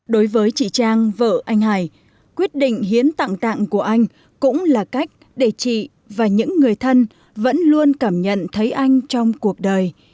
đối với chị trang vợ anh hải quyết định hiến tặng tạng của anh cũng là cách để chị và những người thân vẫn luôn cảm nhận thấy anh trong cuộc đời